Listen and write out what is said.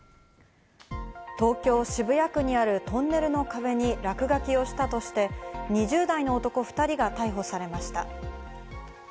東京・渋谷区にあるトンネルの壁に落書きをしたとして、２０代の男２人が逮捕されました。